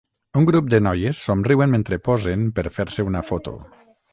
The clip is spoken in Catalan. Un grup de noies somriuen mentre posen per fer-se una foto.